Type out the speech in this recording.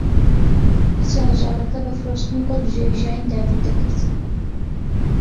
کچە هەژارەکە بە فرۆشتنی گوڵ بژێوی ژیانی دابین دەکرد.